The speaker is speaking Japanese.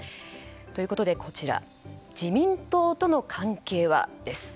ということで、こちら自民党との関係は？です。